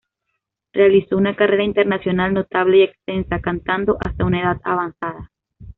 Realizó una carrera internacional notable y extensa, cantando hasta una edad avanzada.